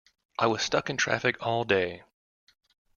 I was stuck in traffic all day!